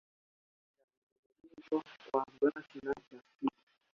Shanga zilitengenezwa kwa glasi na plastiki